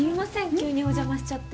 急にお邪魔しちゃって。